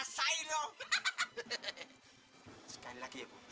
sekali lagi ibu